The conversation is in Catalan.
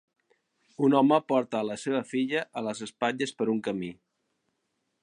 Un home porta a la seva filla a les espatlles per un camí.